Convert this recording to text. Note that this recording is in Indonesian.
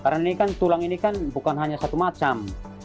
karena ini kan tulang ini kan bukan hanya satu macam